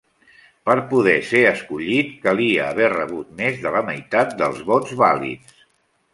Per poder ser escollit, calia haver rebut més de la meitat dels vots vàlids.